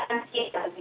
peratangan terbanyak di